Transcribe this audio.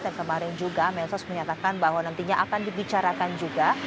dan kemarin juga mensos menyatakan bahwa nantinya akan dibicarakan juga